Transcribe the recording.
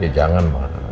ya jangan pak